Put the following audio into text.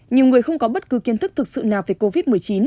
nhiều người không có bất cứ kiến thức thực sự nào về covid một mươi chín